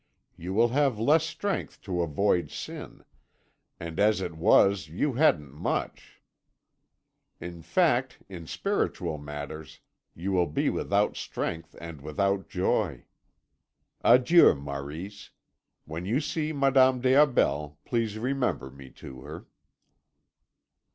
You will have less strength to avoid sin, and as it was you hadn't much. In fact, in spiritual matters, you will be without strength and without joy. Adieu, Maurice; when you see Madame des Aubels, please remember me to her."